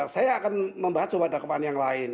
saya akan membahas soal dakwaan yang lain